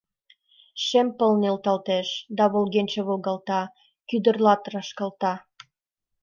Шем пыл нӧлталтеш, да волгенче волгалта, кӱдырлат рашкалта.